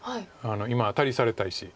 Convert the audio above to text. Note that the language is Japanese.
今アタリされた石。